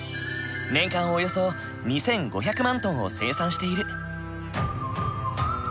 年間およそ２，５００万トンを生産している。